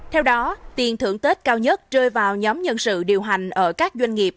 theo đó tiền thưởng tết cao nhất rơi vào nhóm nhân sự điều hành ở các doanh nghiệp